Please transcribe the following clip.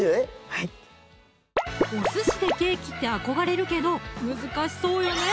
はいお寿司でケーキって憧れるけど難しそうよね